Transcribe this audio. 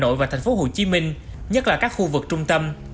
hà nội và thành phố hồ chí minh nhất là các khu vực trung tâm